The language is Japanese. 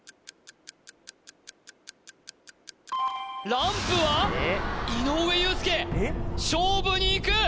ランプは井上裕介勝負にいく！